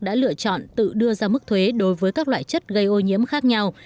đã lựa chọn tự đưa ra mức thuế đối với các loại chất gây ô nhiễm khác nhau